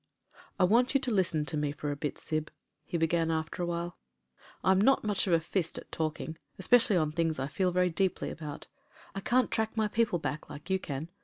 "I want you to listen to me for a bit, Syb," he b^^an after a while. "I'm not much of a fist at talking — especially on things I feel very deeply about. I can't track my people back like you can.